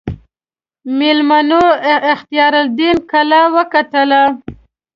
میلمنو اختیاردین کلا وکتله.